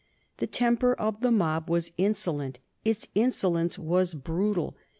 The temper of the mob was insolent, its insolence was brutal.